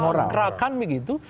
atau gerakan begitu